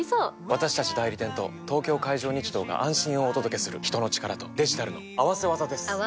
私たち代理店と東京海上日動が安心をお届けする人の力とデジタルの合わせ技です！